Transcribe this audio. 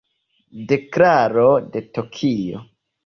Deklaro de Tokio.